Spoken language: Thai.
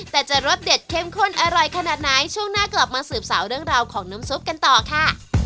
แต่จะรสเด็ดเข้มข้นอร่อยขนาดไหนช่วงหน้ากลับมาสืบสาวเรื่องราวของน้ำซุปกันต่อค่ะ